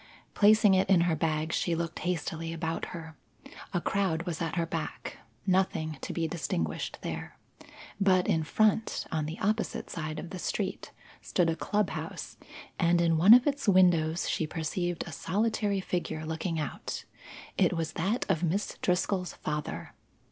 Placing it in her bag, she looked hastily about her. A crowd was at her back; nothing to be distinguished there. But in front, on the opposite side of the street, stood a club house, and in one of its windows she perceived a solitary figure looking out. It was that of Miss Driscoll's father.